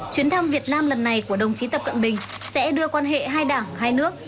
chuyến thăm việt nam lần này của đồng chí tập cận bình sẽ đưa quan hệ hai đảng hai nước